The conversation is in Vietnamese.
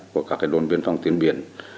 của các đồn biên phong tiến biển